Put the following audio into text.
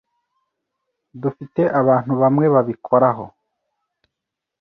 Dufite abantu bamwe babikoraho.